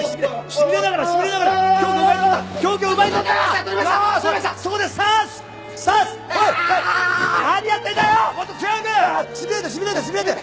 しびれてしびれてしびれて！